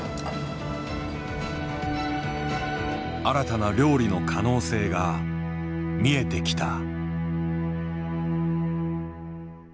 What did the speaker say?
新たな料理の可能性が見えてきた。